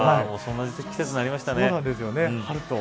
もうそんな季節になりましたね。